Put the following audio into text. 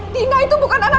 dina itu bukan anak